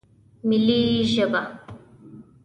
ملي ژبه